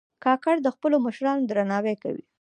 کاکړ د خپلو مشرانو درناوی کوي.